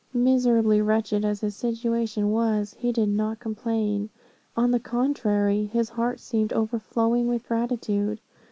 Miserably wretched as his situation was, he did not complain; on the contrary, his heart seemed overflowing with gratitude.